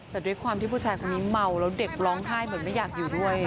แต่ด้วยความที่ผู้ชายคนนี้เมาแล้วเด็กร้องไห้เหมือนไม่อยากอยู่ด้วย